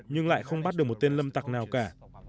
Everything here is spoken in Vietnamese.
nhưng lại không bắt được một tên lâm tặc nào cả